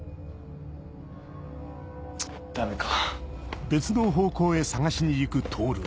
・ダメか。